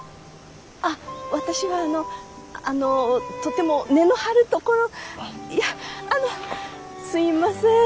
あっ私はあのあのとても値の張るところいやあのすいません。